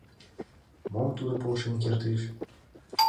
Мом тудо полшен кертеш?